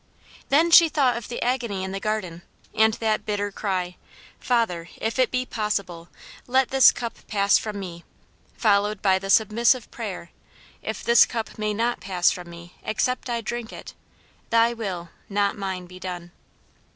Then she thought of the agony in the garden, and that bitter cry, "Father, if it be possible, let this cup pass from me!" followed by the submissive prayer, "If this cup may not pass from me except I drink it, thy will, not mine be done."